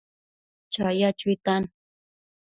chaya chuitan